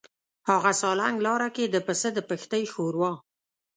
هغه سالنګ لاره کې د پسه د پښتۍ ښوروا.